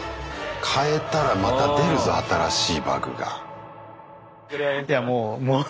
変えたらまた出るぞ新しいバグが。